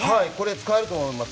使えると思います。